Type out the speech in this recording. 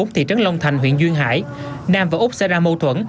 thị trấn long thành huyện duyên hải nam và úc xảy ra mâu thuẫn